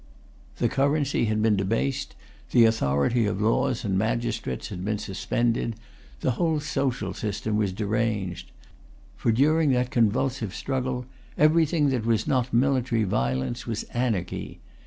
The currency had been debased; the authority of laws and magistrates had been suspended; the[Pg 330] whole social system was deranged. For, during that convulsive struggle, everything that was not military violence was anarchy.